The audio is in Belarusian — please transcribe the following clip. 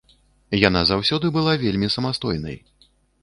Яна заўсёды была вельмі самастойнай.